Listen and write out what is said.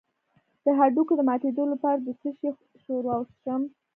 د هډوکو د ماتیدو لپاره د څه شي ښوروا وڅښم؟